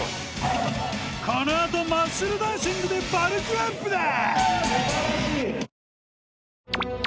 この後マッスルダンシングでバルクアップだ！